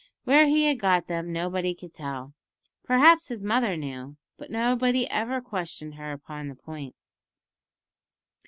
Where he had got them nobody could tell. Perhaps his mother knew, but nobody ever questioned her upon the point.